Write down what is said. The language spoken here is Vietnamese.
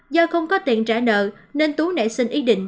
do không có tiền trả nợ nên tú nãy xin ý định điện thoại